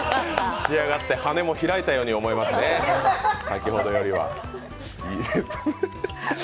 仕上がって、羽も開いたように思いますね、先ほどよりは。